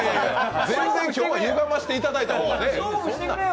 全然今日は、ゆがませていただいた方がね。